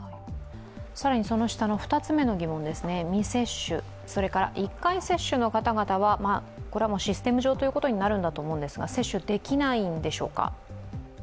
更にその下の２つ目の疑問ですね未接種、それから１回接種の方々は、これはシステム上ということになるんでしょうけれども、接種できないんでしょうか？